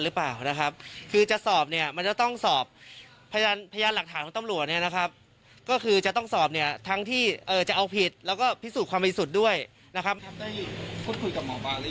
ได้พูดคุยกับหมอปลาหรือยังครับเกี่ยวกับประเด็นพยาครุฑเหรอครับ